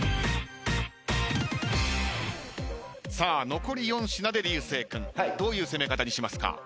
残り４品で流星君どういう攻め方にしますか？